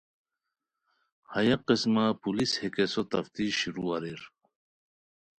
ہیہ قسمہ پولیس ہے کیسو تفتیش شروع اریر